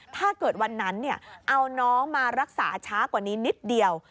ถ้าเกิดวันนั้นเอาน้องมารักษาช้ากว่านี้นิดเดียว